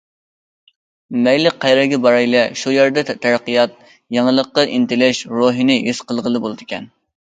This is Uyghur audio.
مەيلى قەيەرگە بارايلى شۇ يەردە تەرەققىيات، يېڭىلىققا ئىنتىلىش روھىنى ھېس قىلغىلى بولىدىكەن.